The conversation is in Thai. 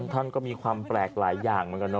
ท่านก็มีความแปลกหลายอย่างเหมือนกันเน